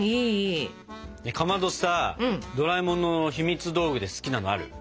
かまどさドラえもんのひみつ道具で好きなのある？